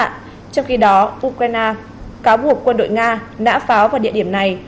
trong khi đó ukraine cáo buộc quân đội nga đã pháo vào địa điểm này